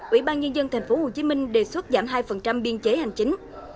ủy ban nhân dân tp hcm đề xuất giảm hai biên chế hành chính